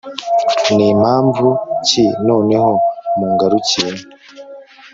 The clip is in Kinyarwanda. ni mpamvu ki noneho mungarukiye